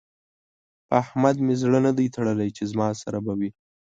په احمد مې زړه نه دی تړلی چې زما سره به وي.